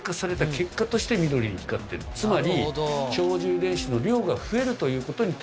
つまり。